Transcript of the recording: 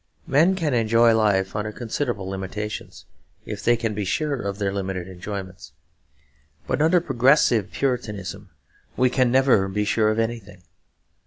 Men can enjoy life under considerable limitations, if they can be sure of their limited enjoyments; but under Progressive Puritanism we can never be sure of anything.